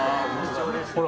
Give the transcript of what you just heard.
ほら。